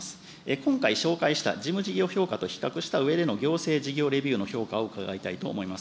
今回、紹介した事務事業評価と比較したうえでの行政事業レビューの評価を伺いたいと思います。